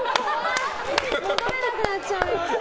戻れなくなっちゃうよ。